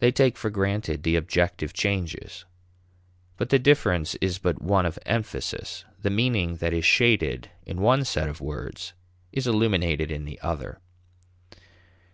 They take for granted the objective changes. But the difference is but one of emphasis; the meaning that is shaded in one set of words is illuminated in the other.